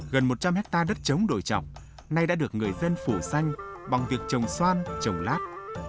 gần một trăm linh hectare đất chống đổi chọc nay đã được người dân phủ xanh bằng việc trồng xoan trồng lát